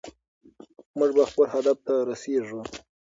موږ به خپل هدف ته رسېږو.